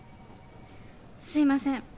すいません